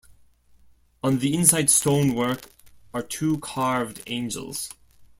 On the inside stonework are two carved angels.